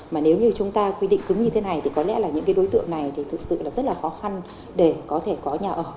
mà nếu như chúng ta quy định cứng như thế này thì có lẽ là những cái đối tượng này thì thực sự là rất là khó khăn để có thể có nhà ở